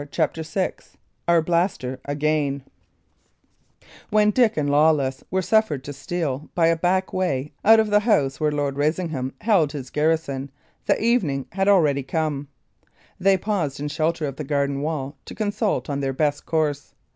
CHAPTER VI ARBLASTER AGAIN When Dick and Lawless were suffered to steal, by a back way, out of the house where Lord Risingham held his garrison, the evening had already come. They paused in shelter of the garden wall to consult on their best course.